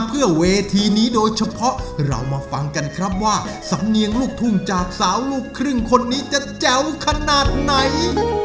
เพราะเรามาฟังกันครับว่าสำเนียงลูกทุ่มจาบสาวลูกครึ่งคนนี้จะแจ๋วขนาดไหน